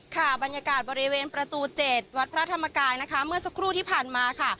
ค่ะบรรยากาศบริเวณประตู๗วัดพระธรรมกายนะคะเมื่อสักครู่ที่ผ่านมาค่ะ